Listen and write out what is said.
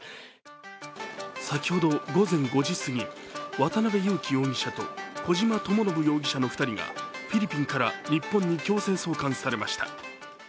先ほど午前５時すぎ、渡辺優樹容疑者と小島智信容疑者の２人がフィリピンから日本に強制送還されました。